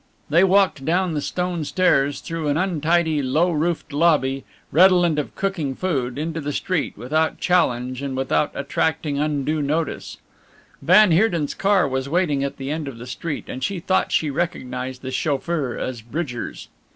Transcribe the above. They walked down the stone stairs, through an untidy, low roofed lobby, redolent of cooking food, into the street, without challenge and without attracting undue notice. Van Heerden's car was waiting at the end of the street, and she thought she recognized the chauffeur as Bridgers.